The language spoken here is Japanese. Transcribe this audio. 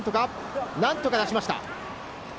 何とか出しました。